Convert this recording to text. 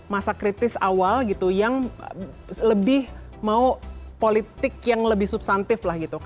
masa kritis awal gitu yang lebih mau politik yang lebih substantif lah gitu